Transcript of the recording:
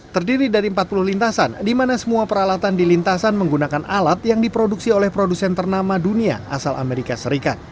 terdiri dari empat puluh lintasan di mana semua peralatan di lintasan menggunakan alat yang diproduksi oleh produsen ternama dunia asal amerika serikat